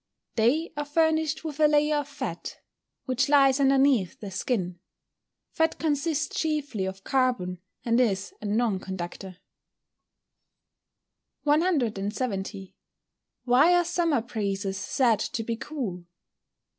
_ They are furnished with a layer of fat, which lies underneath the skin. Fat consists chiefly of carbon, and is a non conductor. 170. _Why are summer breezes said to be cool?